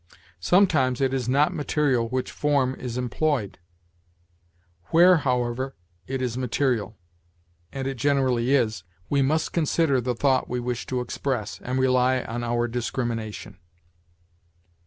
Sometimes it is not material which form is employed; where, however, it is material and it generally is we must consider the thought we wish to express, and rely on our discrimination.